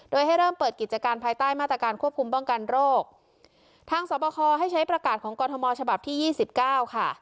โดยให้เริ่มเปิดกิจการภายใต้มาตรการควบคุมป้องกันโรคทางสอบคอให้ใช้ประกาศของกรทมฉบับที่ยี่สิบเก้าค่ะ